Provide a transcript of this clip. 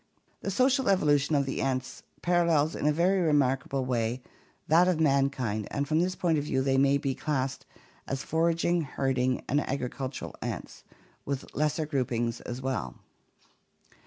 The social evolution of the ants parallels in a very remarkable way that of mankind and from this point of view they may be classed as foraging, herding, and agricultural ants, with lesser groupings as well.